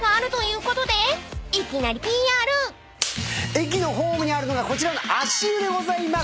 駅のホームにあるのがこちらの足湯でございます。